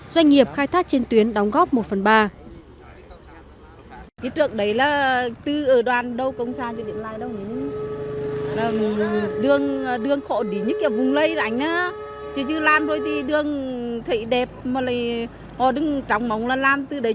doanh nghiệp khai thác trên tuyến đóng góp một phần ba